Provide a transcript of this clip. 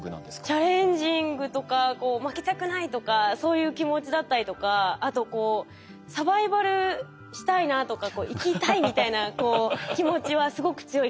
チャレンジングとか負けたくないとかそういう気持ちだったりとかあとこうサバイバルしたいなとか「生きたい」みたいな気持ちはすごく強いかもしれないです。